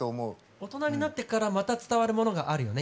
大人になってからまた伝わるものがあるよね。